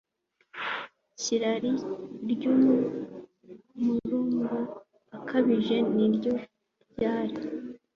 cy’irari ry’umururumba ukabije, ni cyo ryari